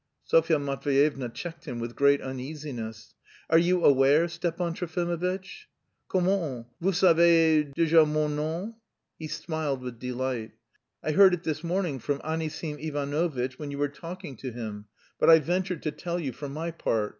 Sofya Matveyevna checked him with great uneasiness. "Are you aware, Stepan Trofimovitch?..." "Comment, vous savez déjà mon nom?" He smiled with delight. "I heard it this morning from Anisim Ivanovitch when you were talking to him. But I venture to tell you for my part..."